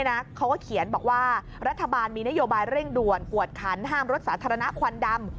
เขาก็เขียนบอกว่ารัฐบาลมีนโยบายเร่งด่วนกวดขันห้ามรถสาธารณะควันดำ